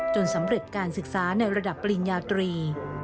สำเร็จการศึกษาในระดับปริญญาตรี